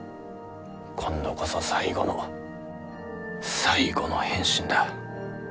今度こそ最後の最後の変身だ。